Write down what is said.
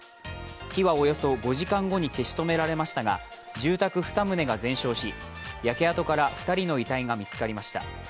火はおよそ５時間後に消し止められましたが住宅２棟が全焼し、焼け跡から２人の遺体が見つかりました。